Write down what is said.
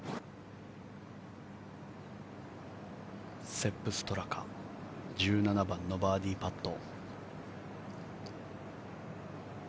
セップ・ストラカ１７番のバーディーパット。